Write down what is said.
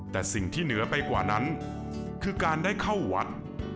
แต่สิ่งที่เหนือไปกว่านั้นคือการได้เข้าวัด